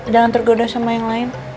jangan tergoda sama yang lain